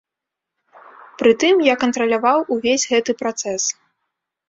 Пры тым я кантраляваў увесь гэты працэс.